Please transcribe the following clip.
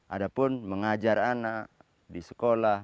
adapun mengajar anak di sekolah